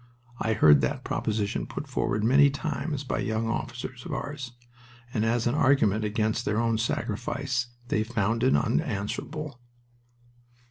I heard that proposition put forward many times by young officers of ours, and as an argument against their own sacrifice they found it unanswerable.